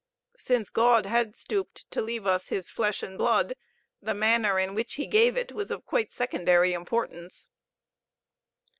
Since God had stooped to leave us His Flesh and Blood, the manner in which He gave It was of quite secondary importance.